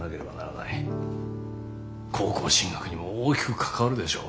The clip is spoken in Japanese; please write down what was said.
高校進学にも大きく関わるでしょう。